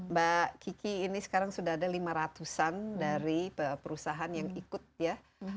mbak kiki ini sekarang sudah ada lima ratus an dari perusahaan yang ikut ya